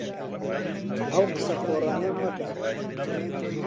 ئەو قسە قۆڕانە مەکە.